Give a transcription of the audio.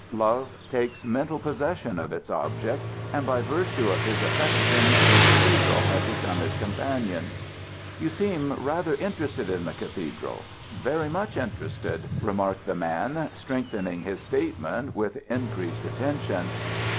Love takes mental possession of its object and by virtue of his affection the cathedral had become his companion. "You seem rather interested in the cathedral. Very much interested," remarked the man, strengthening his statement and with increased attention.